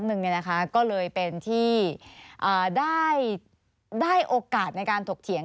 สนุนโดยน้ำดื่มสิง